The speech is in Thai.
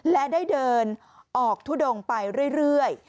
และได้เดินออกทุดงไปเรื่อย